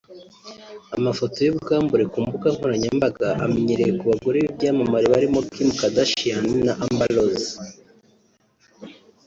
Amafoto y’ubwambure ku mbuga nkoranyambaga amenyerewe ku bagore b’ibyamamare barimo Kim Kardashian na Amber Rose